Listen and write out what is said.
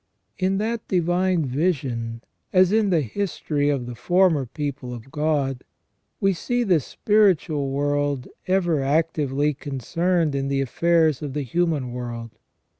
In that divine vision, as in the history of the former people of God, we see the spiritual world ever actively concerned in the affairs of the human world.